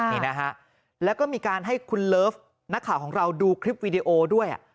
นี่นะฮะแล้วก็มีการให้คุณเลิฟนักข่าวของเราดูคลิปวีดีโอด้วย